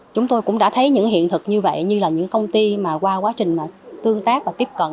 chúng tôi cũng đã thấy những hiện thực như vậy như là những công ty mà qua quá trình mà tương tác và tiếp cận